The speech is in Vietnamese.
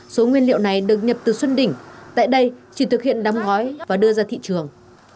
số nguyên liệu này được nhập từ xuân đỉnh tại đây chỉ thực hiện đóng gói và đưa ra thị trường